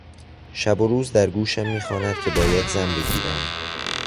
شب و روز در گوشم میخواند که باید زن بگیرم.